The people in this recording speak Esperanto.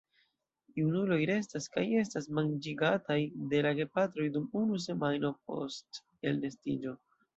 Junuloj restas kaj estas manĝigataj de la gepatroj dum unu semajno post elnestiĝo.